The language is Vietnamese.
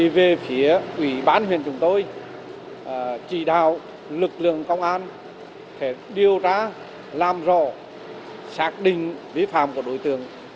về phía quỹ bán huyền chúng tôi chỉ đạo lực lượng công an để điều tra làm rõ xác định vi phạm của đối tượng